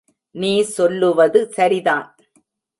நீ சொல்லுவது சரிதான்.